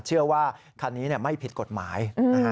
เชื่อว่าคันนี้ไม่ผิดกฎหมายนะฮะ